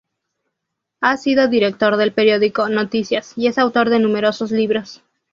Ha sido director del periódico "Noticias" y es autor de numerosos libros.